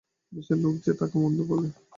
বিশ্বের লোকে যে তাকে মন্দ বলে।